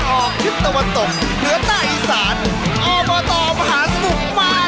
ออบตมาหาสนุก